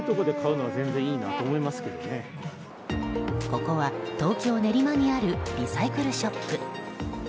ここは東京・練馬にあるリサイクルショップ。